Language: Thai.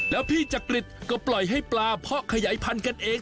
แล้วพี่จักริตก็ปล่อยให้ปลาเพาะขยายพันธุ์กันเอง